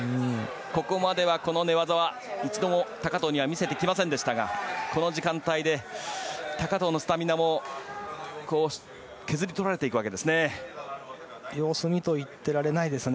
ここまでは、この寝技は一度も高藤には見せてきませんでしたがこの時間帯で高藤のスタミナも削り取られていくわけですね。